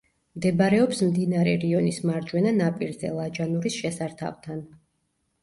მდებარეობს მდინარე რიონის მარჯვენა ნაპირზე, ლაჯანურის შესართავთან.